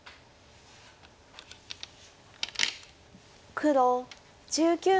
黒１９の八。